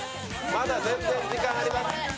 まだ全然時間あります。